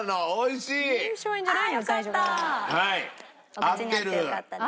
お口に合ってよかったです。